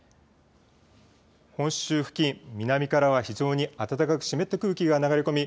本州付近、南からは非常に暖かく湿った空気が流れ込み